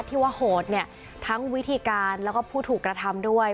ที่ว่าโหดเนี่ยทั้งวิธีการแล้วก็ผู้ถูกกระทำด้วย